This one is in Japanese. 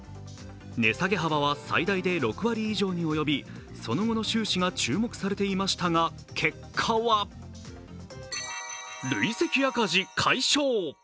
値下げ幅は最大で６割以上に及びその後の収支が注目されていましたが、結果は累積赤字解消。